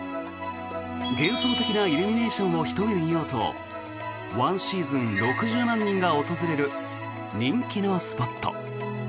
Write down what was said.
幻想的なイルミネーションをひと目見ようと１シーズン６０万人が訪れる人気のスポット。